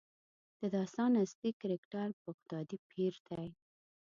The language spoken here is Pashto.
د داستان اصلي کرکټر بغدادي پیر دی.